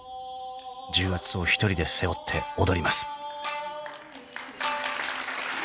［重圧を一人で背負って踊ります］